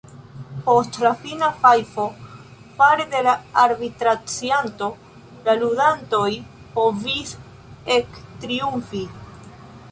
Post la fina fajfo fare de la arbitracianto, la ludantoj povis ektriumfi.